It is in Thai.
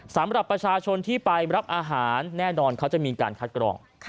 สำหรับประชาชนที่ไปรับอาหารแน่นอนเขาจะมีการคัดกรอง